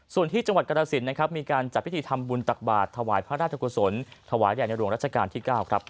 ส่วนที่จังหวัดกรสินนะครับมีการจัดพิธีทำบุญตักบาทถวายพระราชกุศลถวายแด่ในหลวงรัชกาลที่๙ครับ